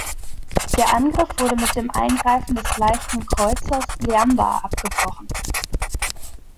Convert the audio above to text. Der Angriff wurde mit dem Eingreifen des Leichten Kreuzers "Leander" abgebrochen.